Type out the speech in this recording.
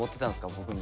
僕に。